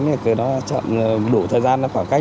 để nó chọn đủ thời gian và khoảng cách